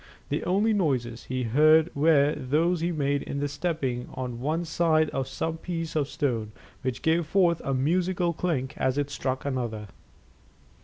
The only noises he heard were those he made in stepping on one side of some piece of stone, which gave forth a musical clink as it struck another.